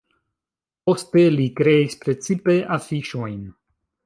Poste li kreis precipe afiŝojn.